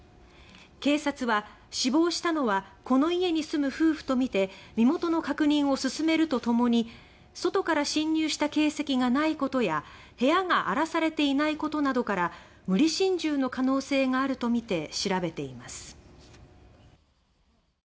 警察は、死亡したのはこの家に住む夫婦とみて身元の確認を進めるとともに外から侵入した形跡がないことや部屋が荒らされていないことなどから無理心中の可能性があるとみて調べています。